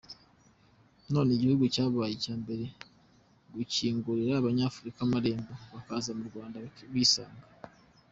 None igihugu cyabaye icya mbere gukingurira Abanyafurika amarembo bakaza mu Rwanda bisanga.